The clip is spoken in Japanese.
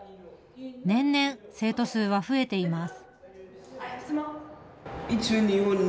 年々、生徒数は増えています。